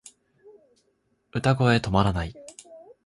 歌声止まらない